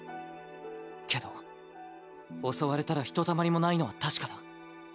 けど襲われたらひとたまりもないのは確かだ。